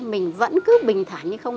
mình vẫn cứ bình thẳng như không